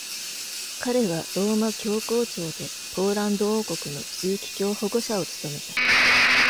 彼はローマ教皇庁でポーランド王国の枢機卿保護者を務めた。